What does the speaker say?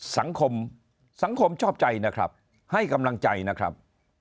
สังคมสังคมชอบใจนะครับให้กำลังใจนะครับ